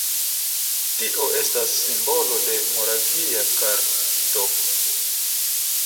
Tio estas simbolo de Moravia karsto.